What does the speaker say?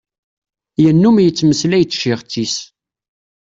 Yennum yettmeslay d tcixet-is.